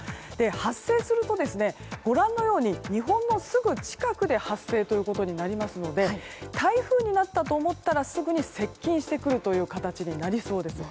発生するとご覧のように日本のすぐ近くで発生ということになりますので台風になったと思ったら、すぐに接近してくる形になりそうです。